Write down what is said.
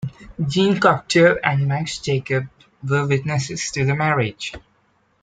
Jean Cocteau and Max Jacob were witnesses to the marriage.